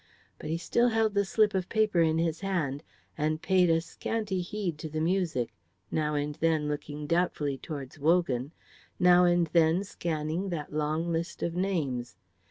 But he still held the slip of paper in his hand and paid but a scanty heed to the music, now and then looking doubtfully towards Wogan, now and then scanning that long list of names.